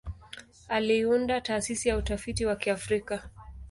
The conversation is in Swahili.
Aliunda Taasisi ya Utafiti wa Kiafrika.